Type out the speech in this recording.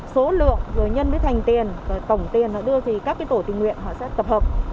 số lượng rồi nhân cái thành tiền tổng tiền họ đưa thì các tổ tình nguyện họ sẽ tập hợp